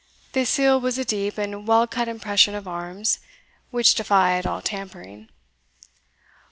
The seal was a deep and well cut impression of arms, which defied all tampering.